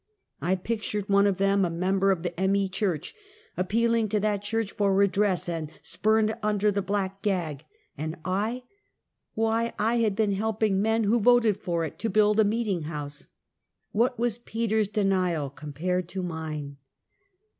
I pictured one of them a member of the M. E. Church, appealing to that church for redress and spurned under the " Black Gag," and I? why I had been helping men who voted for it to build a meeting house! What was Peter's denial com pared to mine?